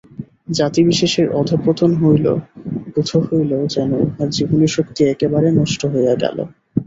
জাতিবিশেষের অধঃপতন হইল, বোধ হইল যেন উহার জীবনীশক্তি একেবারে নষ্ট হইয়া গেল।